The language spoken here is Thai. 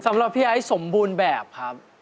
สำหรับพี่ไอ้สมบูรณ์แบบครับ